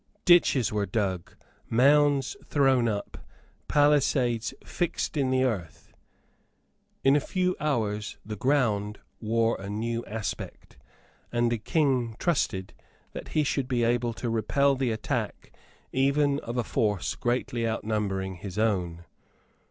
Ditches were dug, mounds thrown up, palisades fixed in the earth. In a few hours the ground wore a new aspect; and the King trusted that he should be able to repel the attack even of a force greatly outnumbering his own.